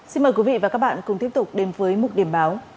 xin mời quý vị và các bạn cùng tiếp tục đến với mục điểm báo